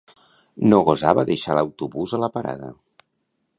No gosava deixar l'autobús a la parada